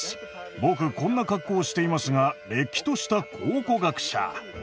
僕こんな格好をしていますがれっきとした考古学者！